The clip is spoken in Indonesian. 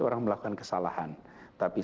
orang melakukan kesalahan tapi